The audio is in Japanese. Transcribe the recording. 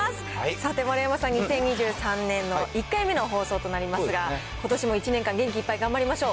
さて、丸山さん、２０２３年の１回目の放送となりますが、ことしも１年間、元気いっぱい頑張りましょう。